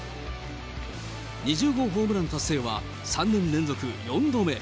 ２０号ホームラン達成は３年連続４度目。